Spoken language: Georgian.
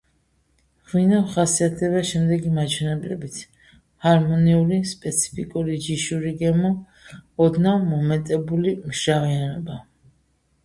ღვინო ხასიათდება შემდეგი მაჩვენებლებით: ჰარმონიული, სპეციფიკური ჯიშური გემო, ოდნავ მომეტებული მჟავიანობა.